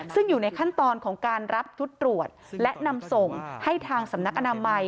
ซึ่งอยู่ในขั้นตอนของการรับชุดตรวจและนำส่งให้ทางสำนักอนามัย